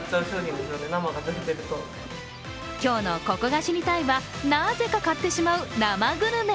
今日の「ここが知りたい！」はなぜか買ってしまう生グルメ。